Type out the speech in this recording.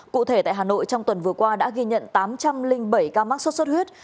cụ thể tại hà nội trong tuần vừa qua đã ghi nhận tám trăm linh bảy ca mắc sốt xuất huyết